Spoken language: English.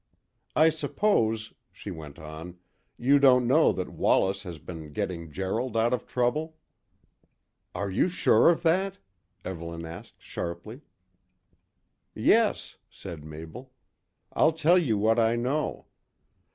"I suppose," she went on, "you don't know that Wallace has been getting Gerald out of trouble?" "Are you sure of that?" Evelyn asked sharply. "Yes," said Mabel; "I'll tell you what I know.